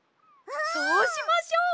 そうしましょう！